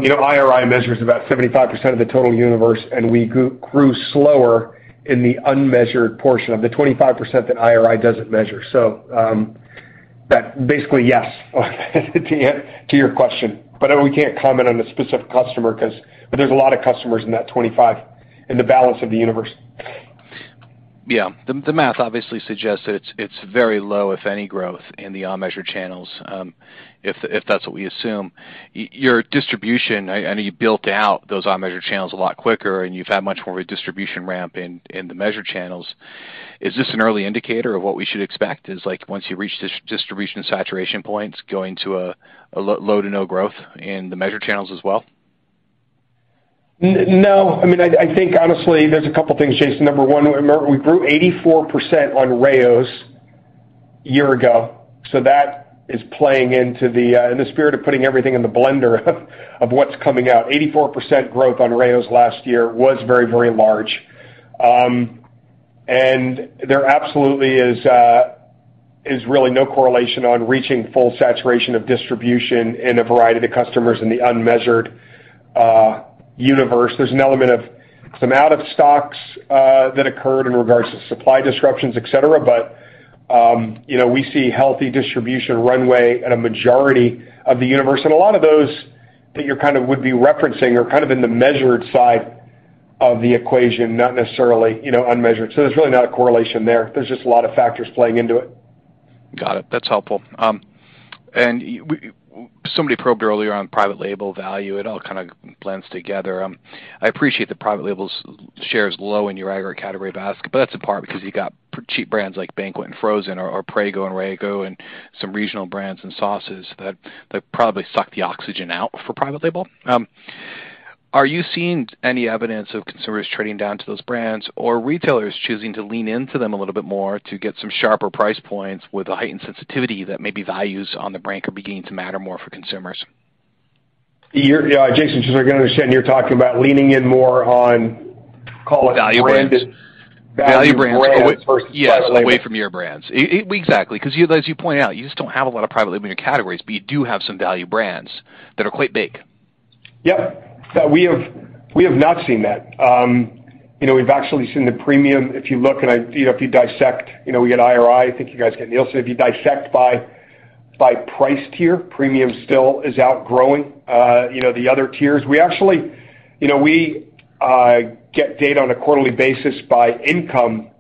you know, IRI measures about 75% of the total universe, and we grew slower in the unmeasured portion of the 25% that IRI doesn't measure. That basically yes, to your question. We can't comment on a specific customer because. There's a lot of customers in that 25%, in the balance of the universe. Yeah. The math obviously suggests that it's very low, if any growth in the on-measure channels, if that's what we assume. Your distribution, I know you built out those on-measure channels a lot quicker, and you've had much more of a distribution ramp in the measure channels. Is this an early indicator of what we should expect is like once you reach distribution saturation points, going to a low to no growth in the measure channels as well? No. I mean, I think honestly, there's a couple things, Jason. Number one, remember we grew 84% on Rao's a year ago, so that is playing into the in the spirit of putting everything in the blender of what's coming out; 84% growth on Rao's last year was very, very large. There absolutely is really no correlation on reaching full saturation of distribution in a variety of the customers in the unmeasured universe. There's an element of some out of stocks that occurred in regards to supply disruptions, et cetera, but you know, we see healthy distribution runway in a majority of the universe. A lot of those that you kind of would be referencing are kind of in the measured side of the equation, not necessarily, you know, unmeasured. There's really not a correlation there. There's just a lot of factors playing into it. Got it. That's helpful. Somebody probed earlier on private label value. It all kind of blends together. I appreciate the private label's share is low in your aggregate category basket, but that's in part because you got cheap brands like Banquet and Frozen or Prego and Ragú and some regional brands and sauces that probably suck the oxygen out for private label. Are you seeing any evidence of consumers trading down to those brands or retailers choosing to lean into them a little bit more to get some sharper price points with a heightened sensitivity that maybe values on the brink are beginning to matter more for consumers? Yeah, Jason, just so I can understand, you're talking about leaning in more on call it— Value brands. Branded value brands versus private label. Yes, away from your brands. Exactly. 'Cause as you point out, you just don't have a lot of private label in your categories, but you do have some value brands that are quite big. Yep. We have not seen that. You know, we've actually seen the premium. If you dissect, you know, we get IRI. I think you guys get Nielsen. If you dissect by price tier, premium still is outgrowing, you know, the other tiers. We actually, you know, get data on a quarterly basis by income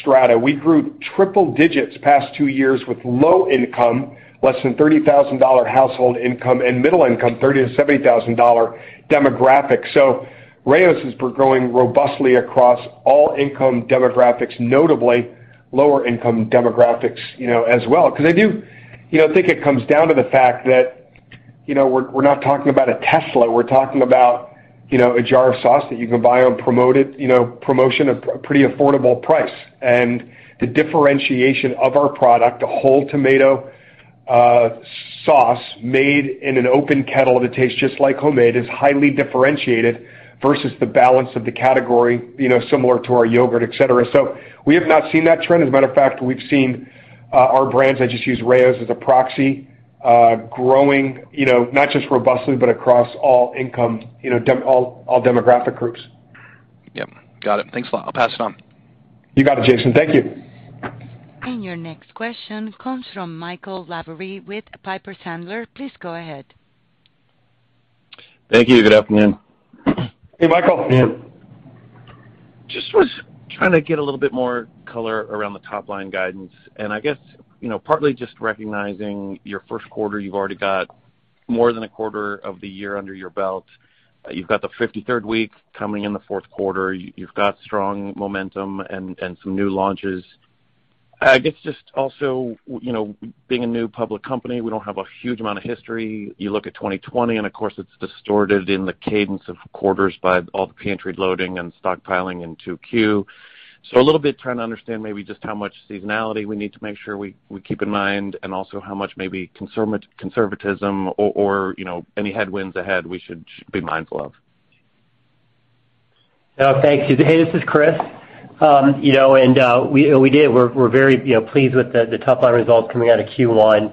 strata. We grew triple digits the past two years with low income, less than $30,000 dollar household income and middle income, $30,000 to $70,000 dollar demographics. Rao's is growing robustly across all income demographics, notably lower income demographics, you know, as well. Because I do, you know, think it comes down to the fact that, you know, we're not talking about a Tesla, we're talking about, you know, a jar of sauce that you can buy on promoted, you know, promotion, a pretty affordable price. The differentiation of our product, the whole tomato sauce made in an open kettle that tastes just like homemade, is highly differentiated versus the balance of the category, you know, similar to our yogurt, et cetera. We have not seen that trend. As a matter of fact, we've seen our brands. I just use Rao's as a proxy, growing, you know, not just robustly, but across all income, you know, all demographic groups. Yep. Got it. Thanks a lot. I'll pass it on. You got it, Jason. Thank you. Your next question comes from Michael Lavery with Piper Sandler. Please go ahead. Thank you. Good afternoon. Hey, Michael. Yeah. Just was trying to get a little bit more color around the top-line guidance, and I guess, you know, partly just recognizing your first quarter, you've already got more than a quarter of the year under your belt. You've got the 53rd week coming in the fourth quarter. You've got strong momentum and some new launches. I guess just also, you know, being a new public company, we don't have a huge amount of history. You look at 2020 and of course, it's distorted in the cadence of quarters by all the pantry loading and stockpiling in 2Q. So a little bit trying to understand maybe just how much seasonality we need to make sure we keep in mind and also how much maybe conservatism or, you know, any headwinds ahead we should be mindful of. No, thanks. Hey, this is Chris. We're very pleased with the top-line results coming out of Q1,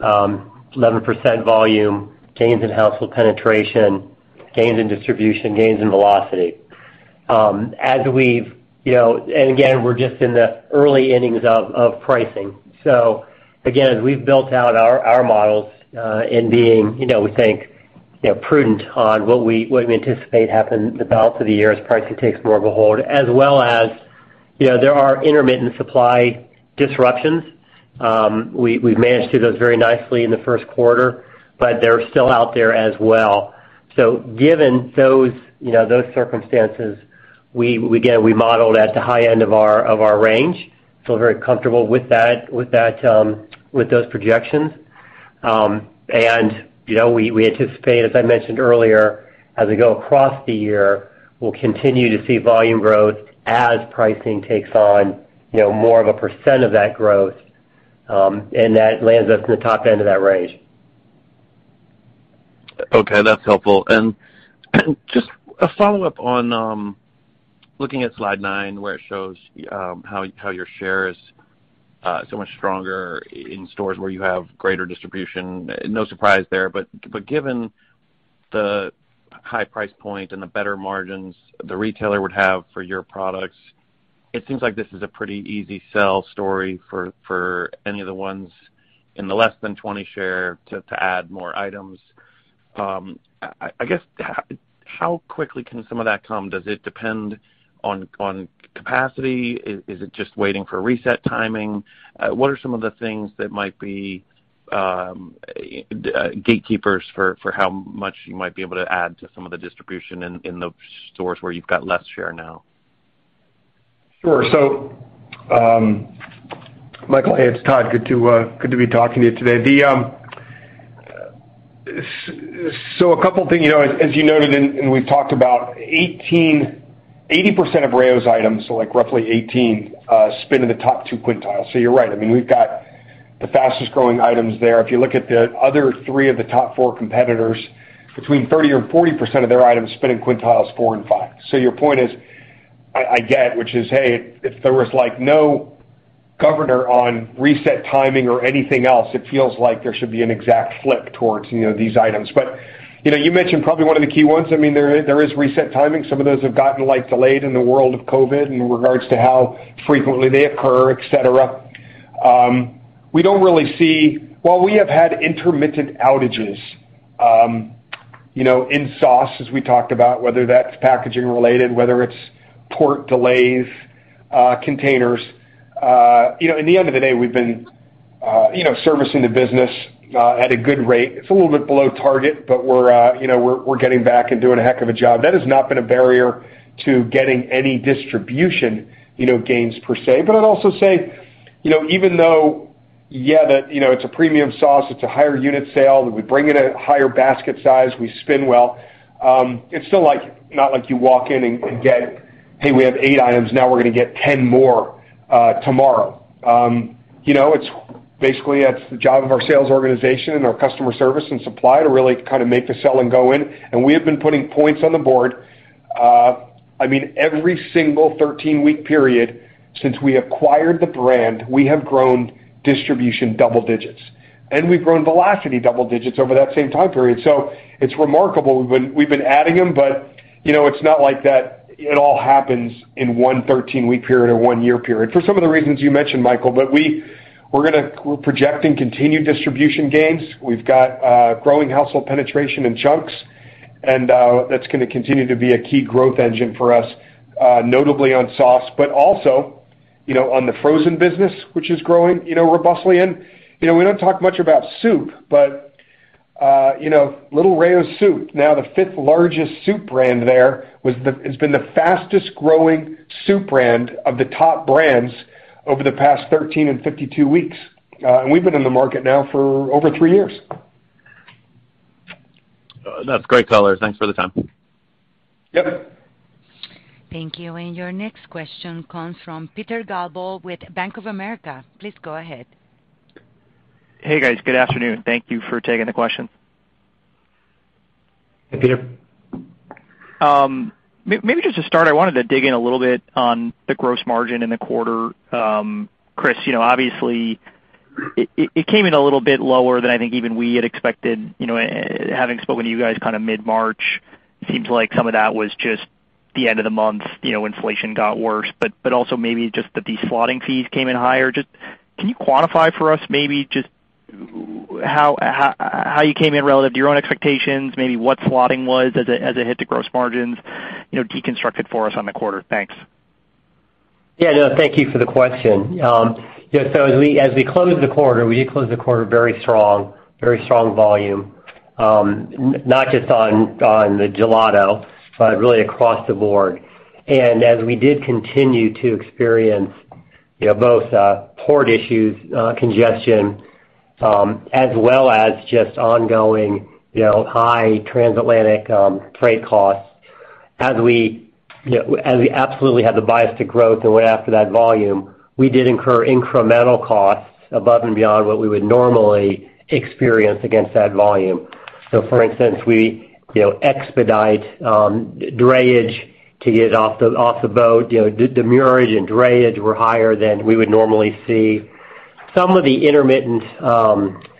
11% volume gains in household penetration, gains in distribution, gains in velocity. We're just in the early innings of pricing. We've built out our models, being prudent on what we anticipate happen the balance of the year as pricing takes more of a hold, as well as there are intermittent supply disruptions. We've managed through those very nicely in the first quarter, but they're still out there as well. Given those, you know, those circumstances, we again modeled at the high end of our range, feel very comfortable with that with those projections. You know, we anticipate, as I mentioned earlier, as we go across the year, we'll continue to see volume growth as pricing takes on, you know, more of a percent of that growth, and that lands us in the top end of that range. Okay, that's helpful. Just a follow-up on looking at slide nine, where it shows how your share is so much stronger in stores where you have greater distribution. No surprise there. Given the high price point and the better margins the retailer would have for your products, it seems like this is a pretty easy sell story for any of the ones in the less than 20% share to add more items. I guess how quickly can some of that come? Does it depend on capacity? Is it just waiting for reset timing? What are some of the things that might be gatekeepers for how much you might be able to add to some of the distribution in the stores where you've got less share now? Sure. Michael, hey, it's Todd. Good to be talking to you today. A couple things, you know, as you noted and we've talked about 80% of Rao's items, so like roughly 80% sit in the top two quintiles. You're right. I mean, we've got the fastest-growing items there. If you look at the other three of the top four competitors, between 30% or 40% of their items sit in quintiles four and five. Your point is, I get, which is, hey, if there was like no governor on reset timing or anything else, it feels like there should be an exact flip towards, you know, these items. You know, you mentioned probably one of the key ones. I mean, there is reset timing. Some of those have gotten, like, delayed in the world of COVID in regards to how frequently they occur, et cetera. While we have had intermittent outages, you know, in sauce, as we talked about, whether that's packaging related, whether it's port delays, containers, you know, in the end of the day, we've been, you know, servicing the business, at a good rate. It's a little bit below target, but we're, you know, we're getting back and doing a heck of a job. That has not been a barrier to getting any distribution, you know, gains per se. I'd also say, you know, even though, yeah, that, you know, it's a premium sauce, it's a higher unit sale, that we bring in a higher basket size, we spin well, it's still like, not like you walk in and get, "Hey, we have eight items now. We're gonna get 10 more tomorrow." You know, it's basically the job of our sales organization and our customer service and supply to really kind of make the selling go in. We have been putting points on the board. I mean, every single 13-week period since we acquired the brand, we have grown distribution double digits, and we've grown velocity double digits over that same time period. It's remarkable. We've been adding them, but you know, it's not like that it all happens in one 13-week period or one-year period for some of the reasons you mentioned, Michael. We're projecting continued distribution gains. We've got growing household penetration in chunks, and that's gonna continue to be a key growth engine for us, notably on sauce, but also, you know, on the frozen business, which is growing, you know, robustly. We don't talk much about soup, but little Rao's soup, now the 5th largest soup brand there, has been the fastest growing soup brand of the top brands over the past 13 and 52 weeks. We've been in the market now for over three years. That's great color. Thanks for the time. Yep. Thank you. Your next question comes from Peter Galbo with Bank of America. Please go ahead. Hey, guys. Good afternoon. Thank you for taking the question. Hey, Peter. Maybe just to start, I wanted to dig in a little bit on the gross margin in the quarter. Chris, you know, obviously it came in a little bit lower than I think even we had expected. You know, having spoken to you guys kinda mid-March, it seems like some of that was just the end of the month, you know, inflation got worse, but also maybe just that these slotting fees came in higher. Just can you quantify for us maybe just how you came in relative to your own expectations, maybe what slotting was as it hit the gross margins, you know, deconstruct it for us on the quarter? Thanks. Yeah, no, thank you for the question. Yeah, so as we closed the quarter, we did close the quarter very strong, very strong volume, not just on the gelato, but really across the board. We did continue to experience you know, both port issues, congestion, as well as just ongoing, you know, high transatlantic freight costs. As we absolutely have the bias to growth and went after that volume, we did incur incremental costs above and beyond what we would normally experience against that volume. For instance, we, you know, expedite drayage to get off the boat. You know, the demurrage and drayage were higher than we would normally see. Some of the intermittent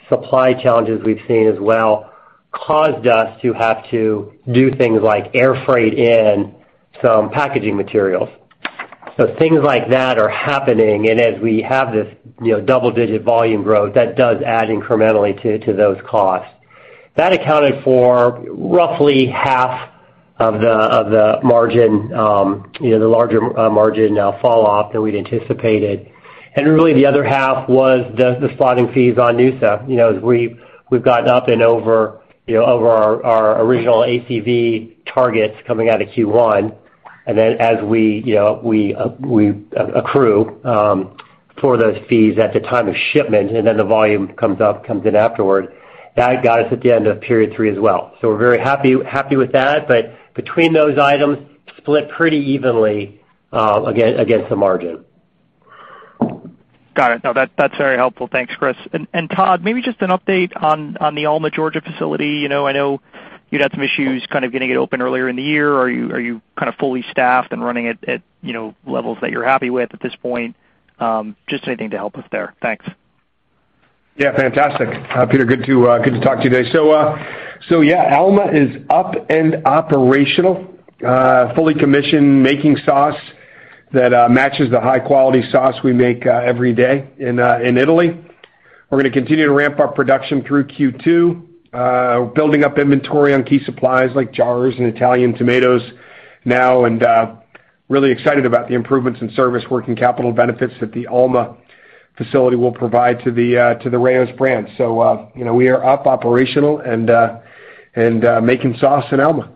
supply challenges we've seen as well caused us to have to do things like air freight in some packaging materials. Things like that are happening, and as we have this, you know, double-digit volume growth, that does add incrementally to those costs. That accounted for roughly half of the margin, you know, the larger margin fall off that we'd anticipated. Really the other half was the slotting fees on noosa. You know, as we've gotten up and over our original ACV targets coming out of Q1, and then as we, you know, we accrue for those fees at the time of shipment, and then the volume comes in afterward, that got us at the end of period three as well. We're very happy with that. Between those items, split pretty evenly, again, against the margin. Got it. No, that's very helpful. Thanks, Chris. Todd, maybe just an update on the Alma, Georgia facility. You know, I know you'd had some issues kind of getting it open earlier in the year. Are you kind of fully staffed and running at you know, levels that you're happy with at this point? Just anything to help us there. Thanks. Yeah, fantastic. Peter, good to talk to you today. Alma is up and operational, fully commissioned, making sauce that matches the high-quality sauce we make every day in Italy. We're gonna continue to ramp up production through Q2, building up inventory on key supplies like jars and Italian tomatoes now, and really excited about the improvements in service working capital benefits that the Alma facility will provide to the Rao's brand. You know, we are up, operational, and making sauce in Alma.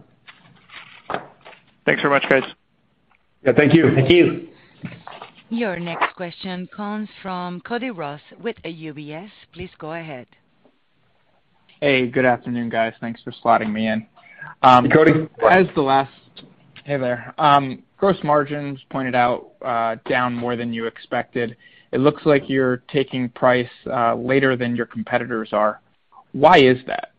Thanks so much, guys. Yeah, thank you. Thank you. Your next question comes from Cody Ross with UBS. Please go ahead. Hey, good afternoon, guys. Thanks for slotting me in. Hey, Cody. Hey there. Gross margins pointed out down more than you expected. It looks like you're taking price later than your competitors are. Why is that?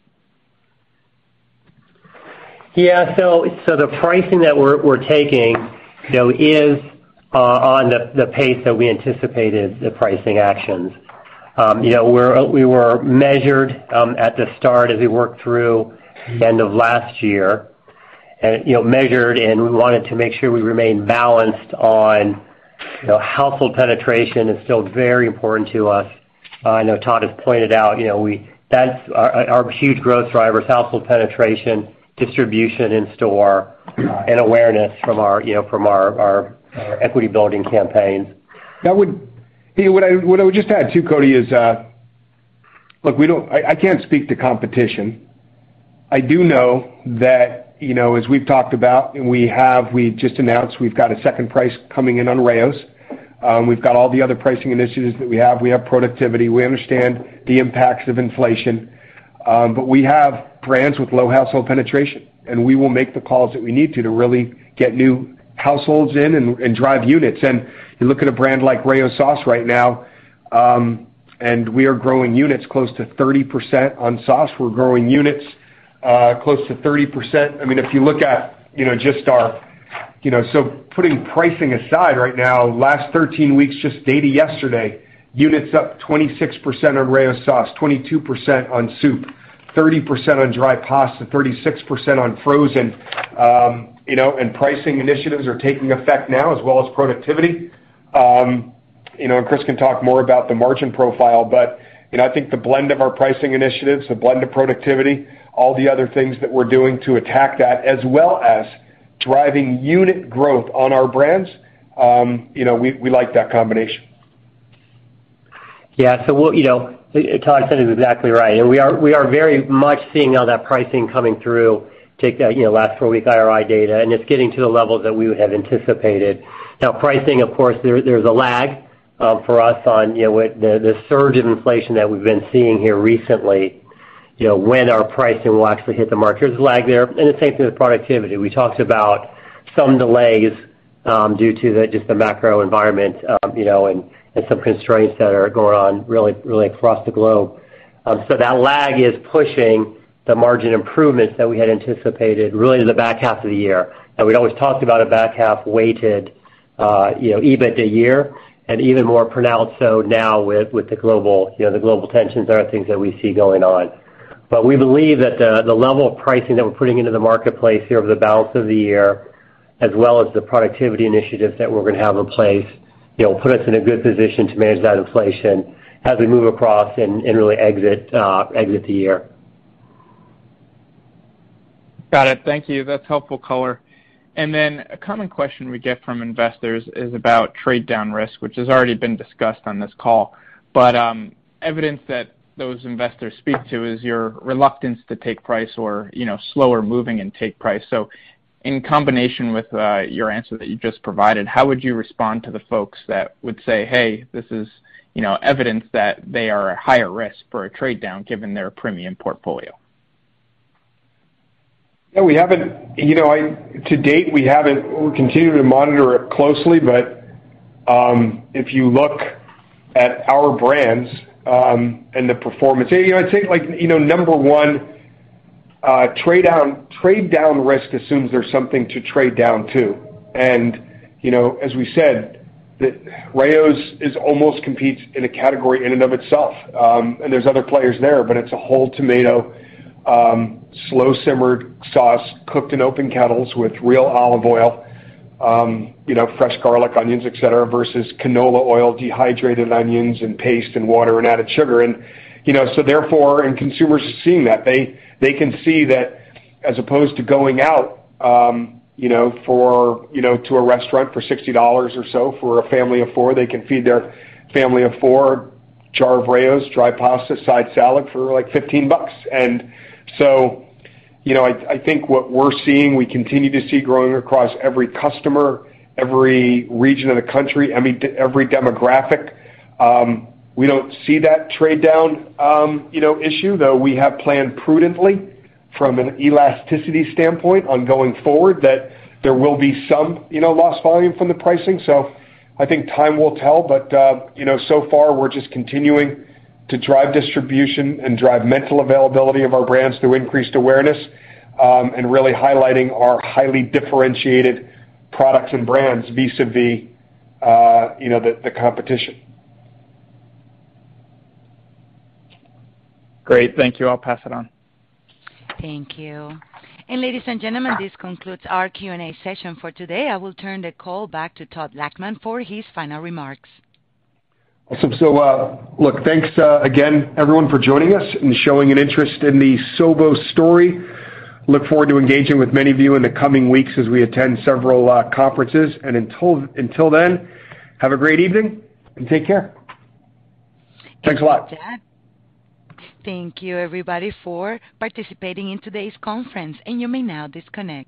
Yeah. The pricing that we're taking, you know, is on the pace that we anticipated the pricing actions. You know, we were measured at the start as we worked through end of last year. You know, we wanted to make sure we remained balanced on, you know, household penetration is still very important to us. I know Todd has pointed out, you know, that's our huge growth driver is household penetration, distribution in store, and awareness from our equity building campaigns. You know what I would just add, too, Cody, is, look, we don't—I can't speak to competition. I do know that, you know, as we've talked about, we just announced we've got a second price coming in on Rao's. We've got all the other pricing initiatives that we have. We have productivity. We understand the impacts of inflation. But we have brands with low household penetration, and we will make the calls that we need to really get new households in and drive units. You look at a brand like Rao's sauce right now, and we are growing units close to 30% on sauce. We're growing units close to 30%. I mean, if you look at, you know, just our, you know. Putting pricing aside right now, last thirteen weeks, just data yesterday, units up 26% on Rao's sauce, 22% on soup, 30% on dry pasta, 36% on frozen. You know, pricing initiatives are taking effect now as well as productivity. You know, Chris can talk more about the margin profile, but you know, I think the blend of our pricing initiatives, the blend of productivity, all the other things that we're doing to attack that as well as driving unit growth on our brands, you know, we like that combination. Yeah. We'll, you know, Todd said it exactly right. We are very much seeing all that pricing coming through. Take the last four-week IRI data, and it's getting to the levels that we would have anticipated. Now pricing, of course, there's a lag for us, you know, with the surge of inflation that we've been seeing here recently, you know, when our pricing will actually hit the market. There's lag there, and the same thing with productivity. We talked about some delays due to just the macro environment, you know, and some constraints that are going on really across the globe. So that lag is pushing the margin improvements that we had anticipated really to the back half of the year. Now we'd always talked about a back half-weighted, you know, EBIT a year, and even more pronounced so now with the global, you know, the global tensions and other things that we see going on. We believe that the level of pricing that we're putting into the marketplace here over the balance of the year, as well as the productivity initiatives that we're gonna have in place, you know, will put us in a good position to manage that inflation as we move across and really exit the year. Got it. Thank you. That's helpful color. Then a common question we get from investors is about trade-down risk, which has already been discussed on this call. Evidence that those investors speak to is your reluctance to take price or, you know, slower moving and take price. In combination with your answer that you just provided, how would you respond to the folks that would say, "Hey, this is, you know, evidence that they are at higher risk for a trade-down given their premium portfolio?" Yeah, we haven't—to date, we haven't. We continue to monitor it closely, but if you look at our brands and the performance. You know, I'd say, like, you know, number one, trade down, trade-down risk assumes there's something to trade down to. You know, as we said, that Rao's almost competes in a category in and of itself. There's other players there, but it's a whole tomato slow-simmered sauce cooked in open kettles with real olive oil, you know, fresh garlic, onions, et cetera, versus canola oil, dehydrated onions and paste and water and added sugar. You know, so therefore, consumers are seeing that. They can see that as opposed to going out, you know, for, you know, to a restaurant for $60 or so for a family of four, they can feed their family of four a jar of Rao's dry pasta, side salad for, like, $15. You know, I think what we're seeing, we continue to see growing across every customer, every region of the country, every demographic. We don't see that trade-down, you know, issue, though we have planned prudently from an elasticity standpoint on going forward that there will be some, you know, lost volume from the pricing. I think time will tell, you know, so far we're just continuing to drive distribution and drive mental availability of our brands through increased awareness, and really highlighting our highly differentiated products and brands vis-à-vis, you know, the competition. Great. Thank you. I'll pass it on. Thank you. Ladies and gentlemen, this concludes our Q&A session for today. I will turn the call back to Todd Lachman for his final remarks. Awesome. Look, thanks again, everyone for joining us and showing an interest in the Sovos story. Look forward to engaging with many of you in the coming weeks as we attend several conferences. Until then, have a great evening and take care. Thanks a lot. Yeah. Thank you, everybody, for participating in today's conference, and you may now disconnect.